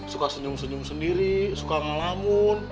suka senyum senyum sendiri suka ngalamun